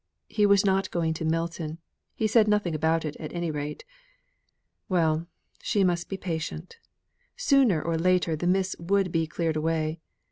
He was not going to Milton; he said nothing about it at any rate. Well! she must be patient. Sooner or later the mists would be cleared away.